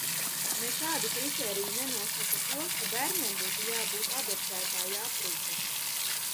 Nekādi kritēriji nenosaka to, ka bērniem būtu jābūt adoptētāja aprūpē.